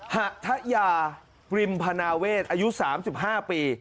หัทยาริมพนาเวศอายุ๓๕ปี